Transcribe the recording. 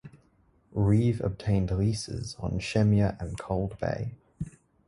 Reeve obtained leases on Shemya and Cold Bay.